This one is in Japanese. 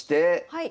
はい。